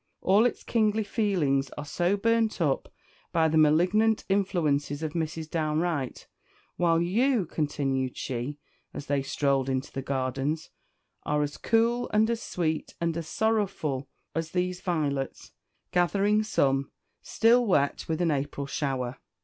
All its kingly feelings are so burnt up by the malignant influences of Mrs. Downe Wright; while you," continued she, as they strolled into the gardens, "are as cool, and as sweet, and as sorrowful as these violets," gathering some still wet with an April shower.